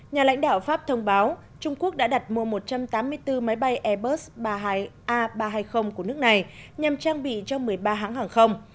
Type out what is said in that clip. nhà lãnh đạo pháp thông báo trung quốc đã đặt mua một trăm tám mươi bốn máy bay airbus ba trăm hai mươi của nước này nhằm trang bị cho một mươi ba hãng hàng không